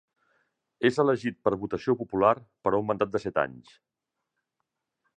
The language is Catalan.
És elegit per votació popular per a un mandat de set anys.